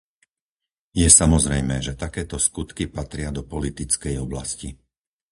Je samozrejmé, že takéto skutky patria do politickej oblasti.